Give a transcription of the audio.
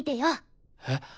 えっ。